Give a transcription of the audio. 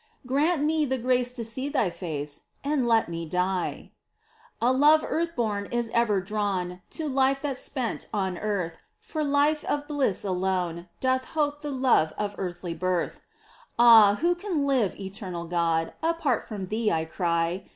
Grant me the grace to see Thy face, And let me die ! A love earth born is ever drawn To life that's spent on earth — For life of bliss alone, doth hope The love of heavenly birth ! Ah, who can live, eternal God, Apart from Thee, I cry